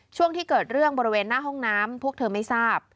ช่วงที่เกิดเรื่องบริเวณหน้าห้องน้ำพวกเธอไม่ทราบ